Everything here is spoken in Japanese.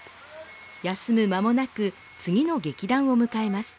休む間もなく次の劇団を迎えます。